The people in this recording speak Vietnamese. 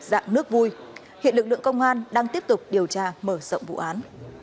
dạng nước vui hiện lực lượng công an đang tiếp tục điều tra mở rộng vụ án